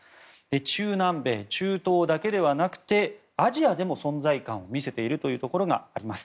中南米、中東だけではなくてアジアでも存在感を見せているところがあります。